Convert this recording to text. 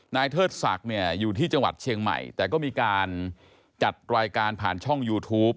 เทิดศักดิ์เนี่ยอยู่ที่จังหวัดเชียงใหม่แต่ก็มีการจัดรายการผ่านช่องยูทูป